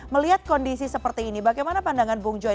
melihat kondisi seperti ini bagaimana pandangan bung joy